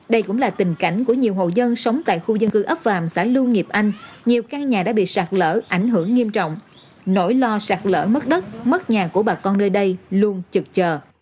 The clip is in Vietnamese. đây cũng là tình cảnh của nhiều hộ dân sống tại khu dân cư ấp vàm xã lưu nghiệp anh nhiều căn nhà đã bị sạt lở ảnh hưởng nghiêm trọng nỗi lo sạt lở mất đất mất nhà của bà con nơi đây luôn trực chờ